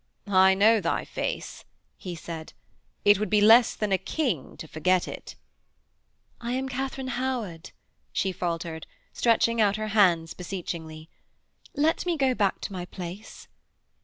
'I know thy face,' he said. 'It would be less than a king to forget it.' 'I am Katharine Howard,' she faltered, stretching out her hands beseechingly. 'Let me go back to my place.'